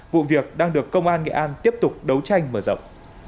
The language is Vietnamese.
vụ việc đang được công an nghệ an tiếp tục đấu tranh mở rộng